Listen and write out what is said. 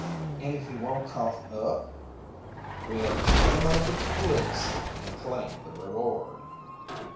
"And if he won't cough up?" "We'll turn him over to police and claim the reward."